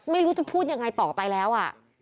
ไม่รู้จะพูดยังไงต่อไปแล้ว